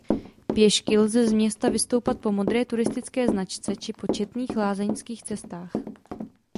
Pěšky lze z města vystoupat po modré turistické značce či po četných lázeňských cestách.